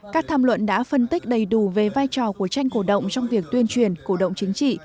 các tham luận đã phân tích đầy đủ về vai trò của tranh cổ động trong việc tuyên truyền cổ động chính trị